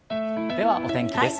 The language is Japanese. では、お天気です。